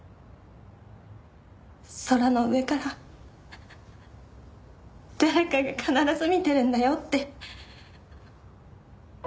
空の上から誰かが必ず見てるんだよって。